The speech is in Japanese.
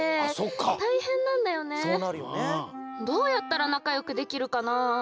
どうやったらなかよくできるかな？